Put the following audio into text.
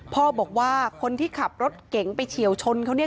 พ่อบอกว่าคนที่ขับรถเก๋งไปเฉียวชนเขาเนี่ย